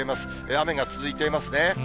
雨が続いていますね。